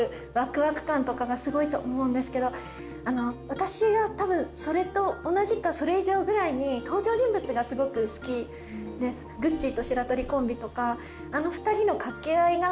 私はたぶんそれと同じかそれ以上ぐらいに登場人物がすごく好きでグッチーと白鳥コンビとかあの２人の掛け合いがもう。